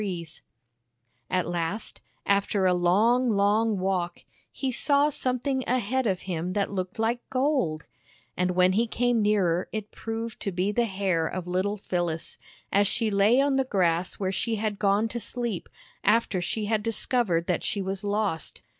THE BAG OF SMILES At last, after a long, long walk, he saw something ahead of him that looked like gold; and when he came nearer it proved to be the hair of little Phyllis, as she lay on the grass where she had gone to sleep, after she had discovered that she was lost.